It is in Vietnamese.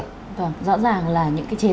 rõ ràng là những cái chế tạo